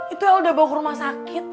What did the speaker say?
itu yang udah bawa ke rumah sakit